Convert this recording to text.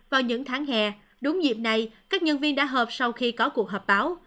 vào những tháng hè đúng dịp này các nhân viên đã hợp sau khi có cuộc hợp báo